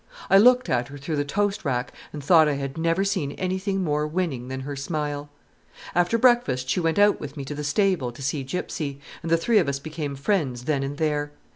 I looked at her through the toast rack and thought I had never seen anything more winning than her smile. After breakfast she went out with me to the stable to see Gypsy, and the three of us became friends then and there.